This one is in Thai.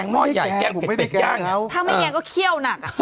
เนี้ย